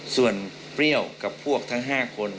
ส่วนเปรี้ยวกับพวกทั้ง๕คน